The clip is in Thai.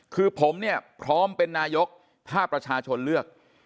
คือผมเนี่ยพร้อมเป็นนายกถ้าประชาชนเลือก